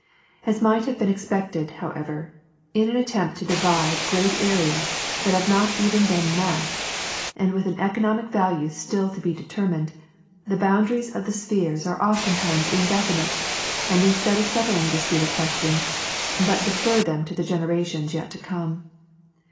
As might have been expected, how ever, in an attempt to divide great areas that have not even been mapped, and with an economic value still to be determined, the boundaries of the spheres are oftentimes indefinite, and instead of settling disputed questions, but defer them to the generations yet to come.